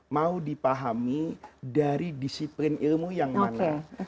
mau dipahami dari disiplin ilmu yang terdiri dari sunnah